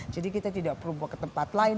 jadi kita tidak perlu bawa ke tempat lain